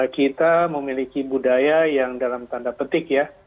kita memiliki budaya yang dalam tanda petik ya